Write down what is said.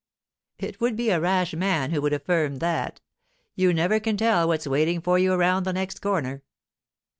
'It would be a rash man who would affirm that! You never can tell what's waiting for you around the next corner.